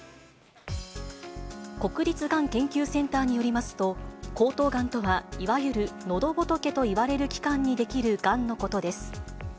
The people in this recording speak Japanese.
国立がん研究センターによりますと、喉頭がんとは、いわゆる、のどぼとけといわれる器官に出来るがんのことです。